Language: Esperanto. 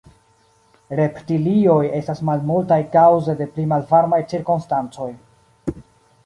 Reptilioj estas malmultaj kaŭze de pli malvarmaj cirkonstancoj.